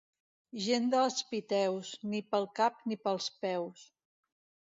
Gent dels Piteus, ni pel cap ni pels peus.